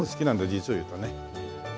実を言うとね。